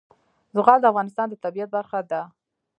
زغال د افغانستان د طبیعت برخه ده.